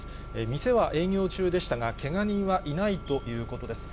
店は営業中でしたが、けが人はいないということです。